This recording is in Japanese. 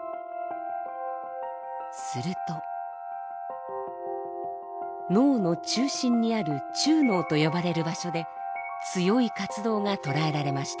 すると脳の中心にある中脳と呼ばれる場所で強い活動が捉えられました。